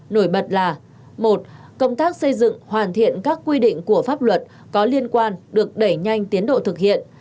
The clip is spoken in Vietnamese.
nổi bật là một công tác xây dựng hoàn thiện các quy định của pháp luật có liên quan được đẩy nhanh tiến độ thực hiện